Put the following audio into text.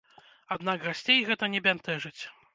Аднак гасцей гэта не бянтэжыць.